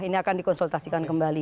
ini akan dikonsultasikan kembali